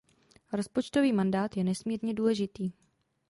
Rozpočtový mandát je nesmírně důležitý.